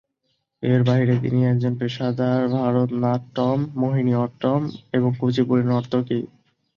এর বাইরে তিনি একজন পেশাদার ভরতনাট্যম, মোহিনীঅট্টম এবং কুচিপুড়ি নর্তকী।